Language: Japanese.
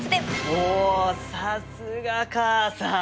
おさすが母さん！